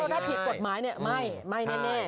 ถ้าผิดกฎหมายเนี่ยไม่ไม่แน่